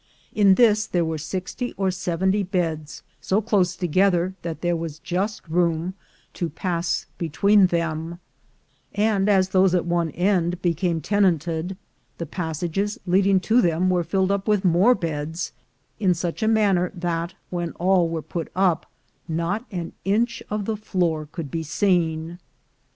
In this there were sixty or seventy beds, so close together that there was just room to pass between them; and as those at one end became tenanted, the passages leading to them were filled up with more beds, in such a manner that, when all were put up, not an inch of the floor could be seen.